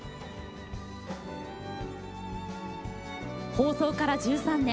放送から１３年。